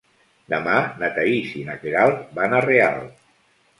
Demà na Thaís i na Queralt van a Real.